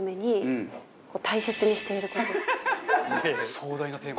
壮大なテーマ。